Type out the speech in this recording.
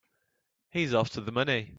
He's after the money.